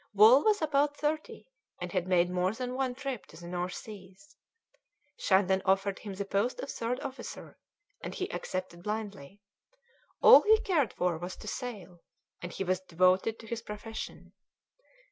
Wall was about thirty, and had made more than one trip to the North Seas. Shandon offered him the post of third officer, and he accepted blindly; all he cared for was to sail, as he was devoted to his profession.